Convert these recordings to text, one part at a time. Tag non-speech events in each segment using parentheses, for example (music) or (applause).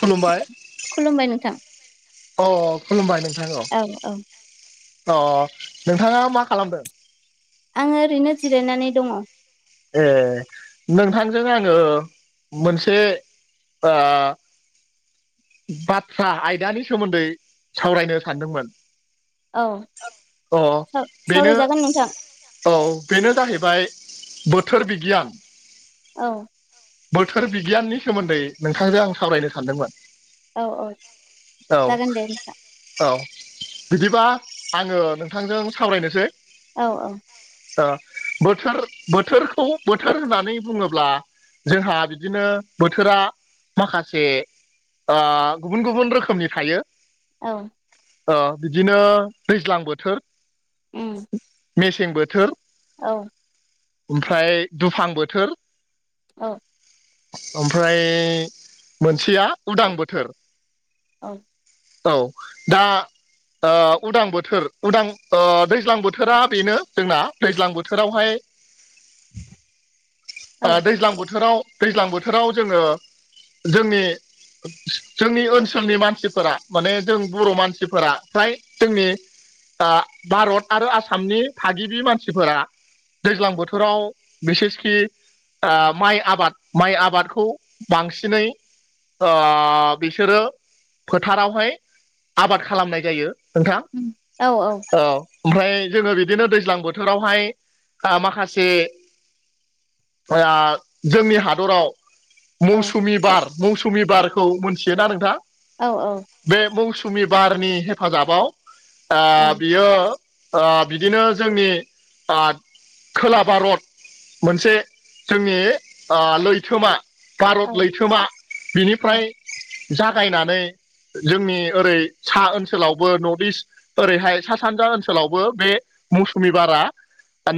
खुलुमबाय खुलुमबाय नोंथां? अ खुलुमबाय नोंथांखौ औ औ। अ अ नोंथाङा मा खालामदों? आं ओरैनो जिरायनानै दङ। ए नोंथांजों आङो मोनसे आ बाथ्रा आयदानि सोमोन्दै सावरायनो सानदोंमोन। औ (inaudible) अ बेनो सावरायजागोन नोंथां। औ बेनो जाहैबाय बोथोर बिगियान। औ। बोथोर बिगियाननि सोमोन्दै नोंथांजों आं सावरायनो सानदोंमोन? औ औ औ जागोन दे नोंथां। औ बिदिबा आङो नोंथांजों सावरायनोसै। औ औ। ओ बोथोर बोथोरखौ बोथोर होननानै बुङोब्ला जोंहा बिदिनो बोथोरा माखासे आ गुबुन गुबुन रोखोमनि थायो। औ। ओ बिदिनो दैज्लां बोथोर उम। मेसें बोथोर औ। ओमफ्राय दुफां बोथोर औ। ओमफ्राय मोनसेया उदां बोथोर। औ। औ दा ओ उदां बोथोर उदां ओ दैज्लां बोथोरा बेनो जोंना दैज्लां बोथोरावहाय औ आ दैज्लां बोथोराव दैज्लां बोथोराव जोङो जोंनि जोंनि ओनसोलनि मानसिफोरा माने जों बर' मानसिफोरा फ्राय जोंनि ओ भारत आरो आसामनि थागिबि मानसिफोरा दैज्लां बोथोराव बिसेसखि ओ माइ आबाद माइ आबादखौ बांसिनै ओ बिसोरो फोथारावहाय आबाद खालामनाय जायो। नोंथां उम औ औ। ओमफ्राय जोङो बिदिनो दैज्लां बोथोरावहाय माखासे आ जोंनि हादराव औ मौसुमि बार मौसुमि बारखौ मोनथियोना नोंथां? औ औ। बे मौसुमि बारनि हेफाजाबाव ओ ओं बियो ओ बिदिनो जोंनि ओ खोला भारत मोनसे जोंनि आ लैथोमा भारत लैथोमा औ बिनिफ्राय जागायनानै जोंनि ओरै सा ओनसोलावबो नर्थ इस्ट ओरैहाय सा सानजा ओनसोलावबो बे मौसुमि बारा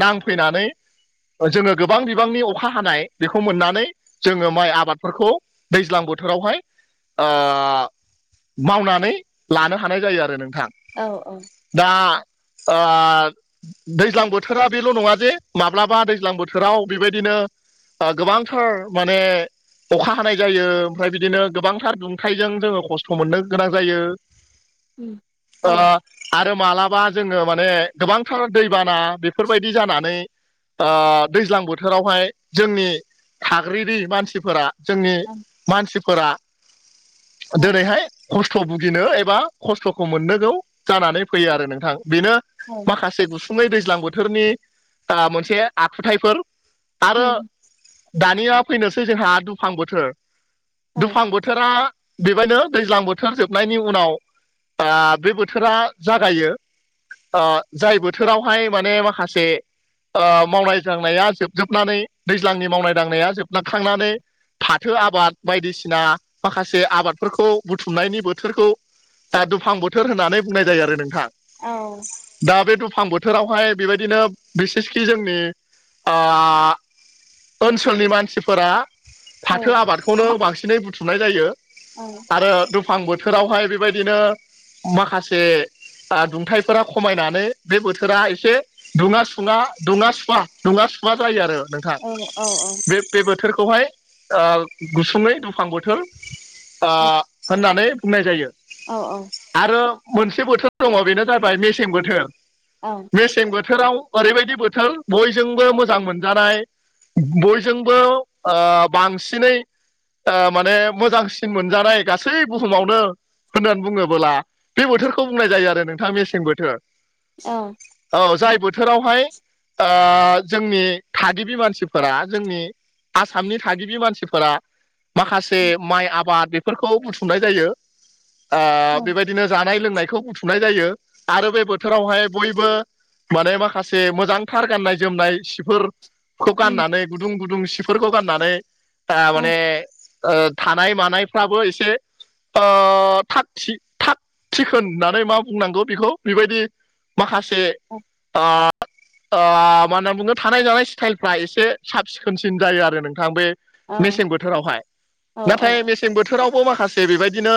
नांफैनानै जोङो गोबां बिबांनि अखा हानाय बेखौ मोननानै जोङो माइ आबादफोरखौ दैज्लां बोथोरावहाय आ मावनानै लानो हानाय जायो आरो नोंथां। औ। दा आ दैज्लां बोथोरा बेल' नङा जे माब्लाबा दैज्लां बोथोराव बेबायदिनो ओ गोबांथार माने अखा हानाय जायो ओमफ्राय बिदिनो गोबांथार दुंथाइजों जोङो खस्थ' मोननो गोनां जायो। उम औ आ। ओं आरो मालाबा जोङो माने गोबांथार दैबाना बेफोरबायदि जानानै आ दैज्लां बोथोरावहाय जोंनि थाग्रिरि मानसिफोरा जोंनि मानसिफोरा दोनैहाय खस्थ' भुगिनो एबा खस्थ'खौ मोननोगौ जानानै फैयो आरो नोंथां बेनो औ माखासे गुसुङै दैज्लां बोथोरनि ओ मोनसे आखुथायफोर आरो उम दानिया फैनोसै जोंहा दुफां बोथोर औ दुफां बोथोर थोरा बेबायनो दैज्लां बोथोर जोबनायनि उनाव आ बे बोथोरा जागायो। आ जाय बोथोरावहाय माने माखासे आ मावनाय दांनाया जोबजोबनानै दैज्लांनि मावनाय दांनाया जोबनाखांनानै फाथो आबाद बायदिसिना माखासे आबादफोरखौ बुथुमनायनि बोथोरखौ दा दुफां बोथोर होननानै बुंनाय जायो आरो नोंथां। औ। दा बे दुफां बोथोरावहाय बेबायदिनो बिसेसखि जोंनि आ ओनसोलनि मानसिफोरा फाथो आबादखौनो बांसिनै बुथुमनाय जायो। औ। आरो दुफां बोथोरावहाय बेबायदिनो माखासे आ दुंथाइफोरा खमायनानै बे बोथोरा एसे दुङा सुङा दुङा सुवा दुङा सुवा जायो आरो नोंथां औ औ बे बे बोथोरखौहाय ओ गुसुङै दुफां बोथोर आ होननानै बुंनाय जायो। औ औ। आरो मोनसे बोथोर दङ बेनो जाबाय मेसें बोथोर। औ। मेसें बोथोराव ओरैबायदि बोथोर बयजोंबो मोजां मोनजानाय बयजोंबो बांसिनै ओ माने मोजांसिन मोनजानाय गासै बुहुमावनो होननानै बुङोबोला बे बोथोरखौ बुंनाय जायो आरो नोंथां मेसें बोथोर। औ औ जाय बोथोरावहाय आ जोंनि थाग थागिबि मानसिफोरा जोंनि आसामनि थागिबि मानसिफोरा माखासे माइ आबाद बेफोरखौ बुथुमनाय जायो आ उम बेबायदिनो ज दाय लोंनायखौ बुथुमनाय जायो आरो बे बोथोरावहाय बयबो माने माखासे मोजांथार गाननाय जोमनाय सिफोर खौ औ औ गाननानै गुदुं गुदुं सिफोरखौ गाननानै माने औ ओ थानाय मानायफ्राबो ओ एसे थाग थिखोन होननानै मा बुंनांगौ बेखौ बेबायदि माखासे आ आ मा होनना बुङो थानाय जानाय स्टाइलफ्रा एसे साब सिखोनसिन जायो आरो नोंथां बे मेसें बोथोरावहाय नाथाय मेसें मेसें बोथोरावबो माखासे बेबायदिनो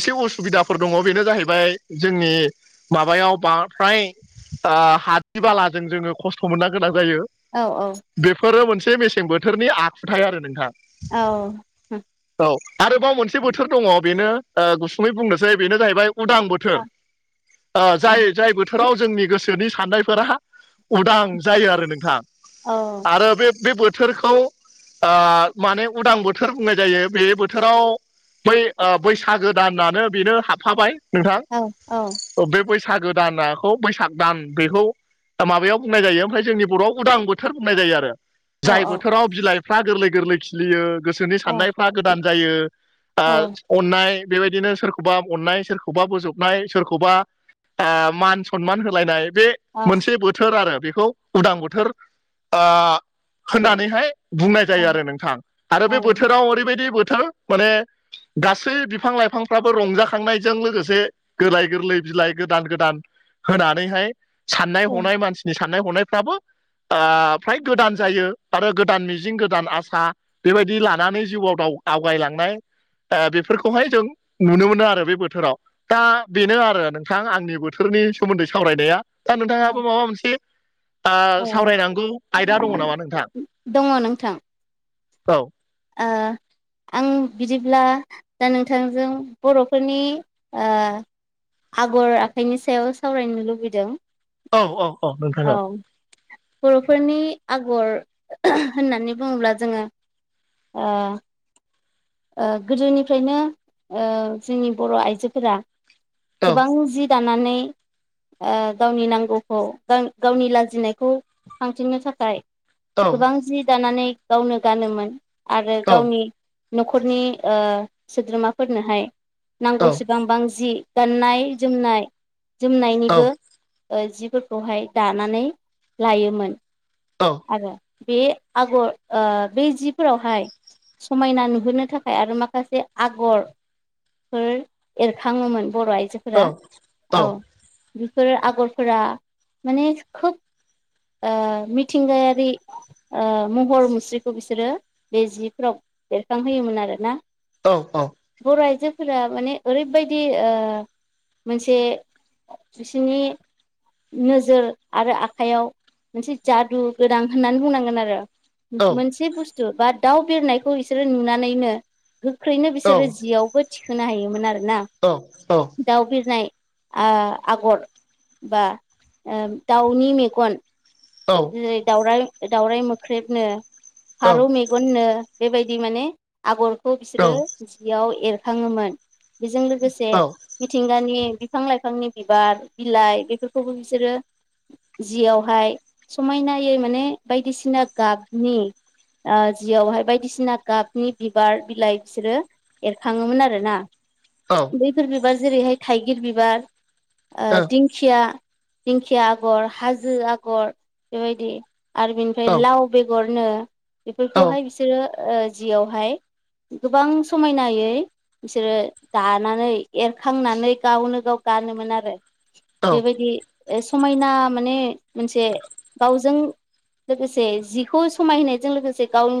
एसे उसुबिदाफोर दङ बेनो जाहैबाय जोंनि माबायाव बांद्राय हादि बालाजों जोङो खस्थ' मोननो गोनां जायो औ औ बेफोरो मोनसे मेसें बोथोरनि आखुथाय आरो नोंथां। औ औ औ आरोबाव मोनसे बोथोर दङ बेनो गुसुङै बुंनोसै बेनो जाहैबाय उदां बोथोर दङ ब जाय जाय ब बोथोराव जोंनि गोसोनि साननायफोरा उदां जायो आरो नोंथाङा अ आरो बे बे बोथोरखौ माने उदां बोथोर बुंनाय जायो बे बोथोराव बै बैसागो दानानो बेनो हाबफाबाय नोंथां बे बैसागो दानाखौ बैसाग दान बेखौ माबायाव बुंनाय जायो ओमफ्राय जोंनि बर'आव उदां बथोर बोथोर बुंनाय जायो आरो जाय बोथोराव बिलाइफ्रा गोरलै गोरलै खिलियो गोसोनि साननायफ्रा गोदान जायो ओ अननाय बेबायदिनो सोरखौबा अननाय सोरखौबा बोजबनाय सोरखौबा ओ मान सनमान होलायनाय बे मोनसे बोथोर आरो बेखौ उदां बोथोर होननानैहाय बुंनाय जायो आरो नोंथां आरो बे बोथोराव ओरैबायदि बोथोर माने गासै बिफां लाइफांफ्राबो रंजाखांनायजों लोगोसे गोरलाय गोरलै बिलाइ गोदान गोदान होनानैहाय साननाय हनाय मानसिनि साननाय हनायफ्राबो फ्राय गोदान जायो आरो गोदान मिजिं गोदान आसा बेबायदि लानानै जिउआव आवगायलांनाय द बेफोरखौहाय जों नुनो मोनो आरो बे बोथोराव दा बेनो आरो नोंथां आंनि बोथोरनि सोमोन्दै सावरायनाया दा नोंथाङाबो माबा मोनसे सावरायनांगौ आयदा दङ नामा नोंथां नोंथां औ ओ आं बिदिब्ला दा नोंथांजों बर'फोरनि आगर आखाइनि सायाव सावरायनो लुबैदों औ औ औ नोंथाङो बरफोरनि आगर होननानै बुङोब्ला जोङो अ गोदोनिफ्रायनो जोंनि बर' आइजोफोरा औ गोबां जि जानानै ओ गावनि नांगौखौ गावनि लाजिनायखौ थांफिननो थाखाय औ गोबां जि दानानै गावनो गानोमोन आरो औ गावनि न'खरनि ओ सोद्रोमाफोरनोहाय औ नांगौ सेबांबां जि गाननाय जोमनाय औ जोमनायनिबो जिफोरखौहाय दानानै लायोमोन। औ आरो बे आगर ओ बे जिफोरावहाय समायना नुहोनो थाखाय आरो माखासे आगर फोर एरखाङोमोन बर' औ आइजोफोरा औ बेफोर आगरफोरा माने खोब ओ मि थिंगायारि ओ महर मुस्रिखौ बिसोरो बे जिफ्राव बेरखांहोयोमोन आरो ना। औ औ बर' आइजोफोरा माने ओरैबायदि ओ मोनसे बिसिनि नोजोर आरो आखाइयाव मोनसे जादु गोनां होननानै बुंनांगोन आरो मोनसे बुस्थु जेनेबा दाउ बेरनायखौ बिसोरो नुनानैनो गोख्रैनो बिसोरो जियावबो थिखोनो हायोमोन आरो। औ औ दाउ बिरनाय आ आगर बा ओ दाउनि मेगन औ जेरै दउराय दाउरराय मोख्रेबनो फारौ मेगननो बेबायदि माने आगरखौ बिसोरो जियाव एरखाङोमोन बेजों लोगोसे औ मिथिंगानि बिफां लाइफांनि बिबार बिलाइ बेफोरखौबो बिसोरो जियावहाय समायनायै माने बायदिसिना गाबनि ओ जियावहाय बायदिसिना गाबनि बिबार बिलाइ बिसोरो एरखाङोमोन आरो ना। औ बैफोर बिबार जेरैहाय थाइगिर बिबार ओ दिं खिया दिंखिया आगर हाजो आगर बेबायदि। आरो बिनिफ्राय लाव बेगरनो बेफोरखौहाय बिसोरो ओ जियावहाय गोबां समायनायै बिसोरो दानानै एरखांनानै गावनो गाव गानोमोन आरो बेबायदि समायना माने मोनसे गावजों लोगोसे जिखौ समायहोनायजों लोगोसे गाव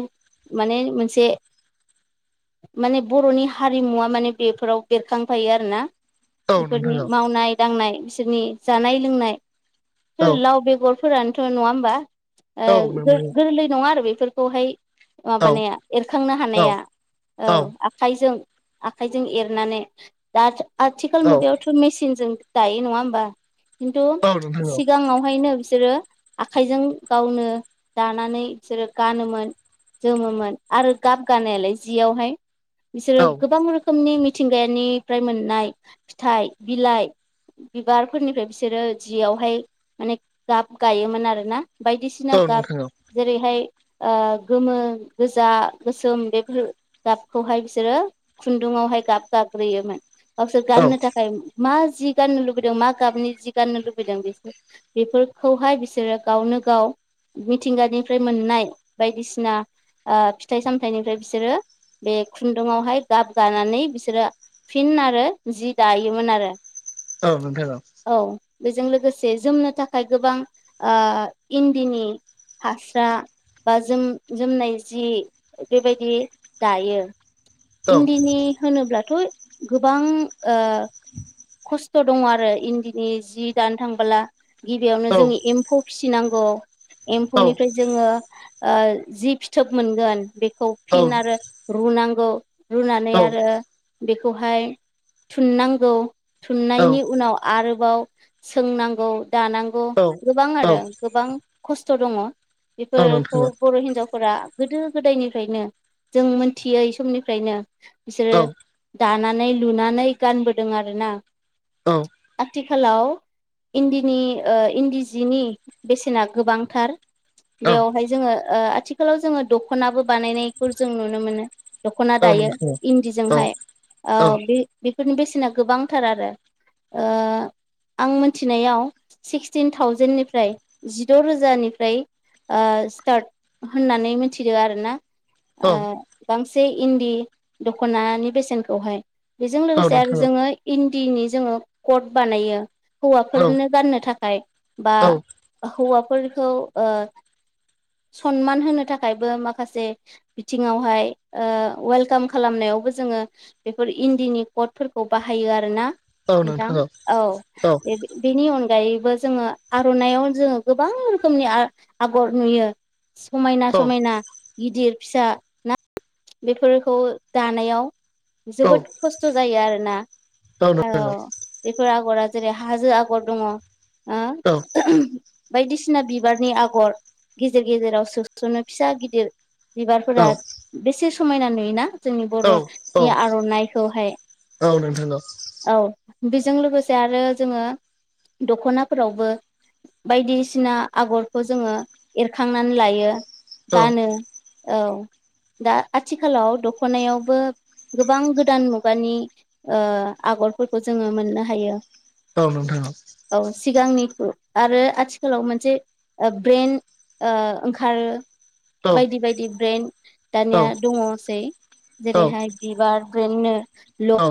माने मोनसे माने बर'नि हारिमुवा माने बेफोराव बेरखांफायो आरो ना। नोंथां बेफोरनि औ मावनाय दांनाय बिसोरनि जानाय औ लोंनाय लाव बेगर फोरानोथ' नङा होमबा औ ओ नोंथां औ गोरलै नङा आरो बेफोरखौहाय औ माबानि एरखांनो औ हानाया औ आखाइजों आखाइजों एरनानै दा आथिखाल मुगायाव थ' मेचनजों दायो नङा होमबा खिन्थु औ नोंथां औ सिगाङावहायनो बिसोरो आखाइजों गावनो दानानै बिसोरो गानोमोन जोमोमोन आरो गाब गानायालाय जियावहाय बिसोरो औ गोबां रोखोम रोखोमनि मिथिंगानिफ्राय मोननाय फिथाइ बिलाइ बिबारफोरनिफ्राय बिसोरो जियावहाय माने गाब गायोमोन आरोना बायदिसिना गाब जेरैहाय ओ गोमो गोजा गोसोम बेफोर गाबखौहाय बिसोरो खुन्दुआवहाय गाब गाग्रोयोमोन। गावसोर गाननो थाखाय मा जि गाननो लुबैदों मा गाबनि जि गाननो लुबैदों बेसोर बेफोरखौहाय बिसोरो गावनो गाव मिथिंगानिफ्राय मोननाय बायदिसिना फिथाइ सामथाइनिफ्राय बिसोरो बे खुन्दुुंआवहाय गाब गानानै बिसोरो फिन आरो जि दायोमोन आरो औ नोंथां औ औ बेजों लोगोसे जोमनो थाखाय गोबां इन्दिनि हास्रा बा जोम जोमनाय जि बेबायदि दायो औ इन्दिनि होनोब्लाथ' गोबां (inaudible) खस्थ' दङ आरो इन्दिनि जि दानो थांबोला औ गिबियावनो जोंनि एम्फौ फिसिनांगौ एम्फौनिफ्राय जोङो जि फिथोब मोनगोन बेखौ फिन आरो रुनांगौ रुनानै आरो बेखौहाय थुननांगौ थुननायनि नोंथां उनाव आरोबाव सोंनांगौ दानांगौ गोबां आरो गोबां खस्थ' दङ बेफोरखौ बर' हिनजावफोरा गोदो गोदायनिफ्रायनो जों मोनथियै समनिफ्रायनो औ बिसोरो दानानै लुनानै गानबोदों आरोना औ आथिखालाव इन्दिनि इन्दि सिनि बेसेना गोबांथार औ बेवहाय जोङो आथिखालाव जोङो दख'नाबो बानायनायखौ जों नुनो मोनो दखना औ दायो नोंथां औ इन्दिजोंहाय औ बे बेफोरनि बेसेना गोबां फोथार आरो ओ आं मिथिनायाव सिक्सटिन थावजेेननिफ्राय जिद' रोजानिफ्राय ओ स्टार्ट होननानै मिथिदों आरो ना औ ओ गांसे इन्दि दख'नानि बेसेनखौहाय बेजों औ लोगोसे आरो नोंथां जोङो इन्दिनि जोङो कट बानायो औ हौवाफोरनो गाननो थाखाय बा औ हौवाफोरखौ सनमान होनो थाखायबो माखासे बिथिङावहाय ओ वेलकाम खालामनायावबो जोङो बेफोर इन्दिनि कडफोरखौ बाहायो आर ना नोंथां औ औ बे बेनि अनगायैबो जोङो आर'नाइाव जोङो गोबां रोखोमनि आ आगर नुयो समायना औ समायना गिदिर फिसा ना बेफोरखौ दानायाव औ नोंथां औ जोबोद खस्थ' जायो आरोना औ हेल' बेफोर आगरा जेरै हाजो आगर दङ औ बायदिसिना बिबारनि आगर गेजेर गेजेराव सोस'नो फिसा गिदिर बिबार औ नोंथां फोरा बेसे समायना नुयो ना जोंनि बर'नि आर'नाइखौहाय औ नोंथां औ औ बेजों लोगोसे आरो जोङो दख'ना फोरावबो बायदिसिना आगरखौ जोङो एरखांनानै लायो गानो औ दा आथिखालाव दख'नायावबो गोबां गोदान मुगानि ओ आगरफोरखौ जोङो मोननो हायो औ नोंथां औ औ सिगांनिखौु आरो आथिखालाव मोनसे ब्रइेन ओ ओंखारो बायदि बायदि ब्रेन्ड औ दानिया दङसै औ जेरैहाय बिबार ब्रैनड नो औ ल